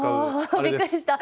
あびっくりした。